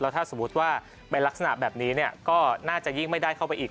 ถ้าสมมุติว่าเป็นลักษณะแบบนี้ก็น่าจะยิ่งไม่ได้เข้าไปอีก